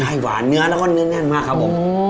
ให้หวานเนื้อแล้วก็เนื้อแน่นมากครับผม